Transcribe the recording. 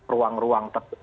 ruang ruang tertutup tadi